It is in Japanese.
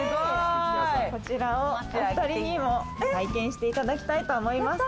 こちらを２人にも体験していただきたいと思います。